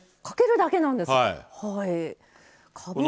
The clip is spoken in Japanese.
かけるだけなんですか？